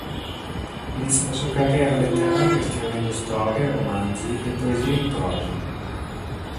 Iniziò la sua carriera letteraria scrivendo storie, romanzi e poesie in prosa.